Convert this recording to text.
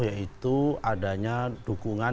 yaitu adanya dukungan